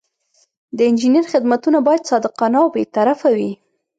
د انجینر خدمتونه باید صادقانه او بې طرفه وي.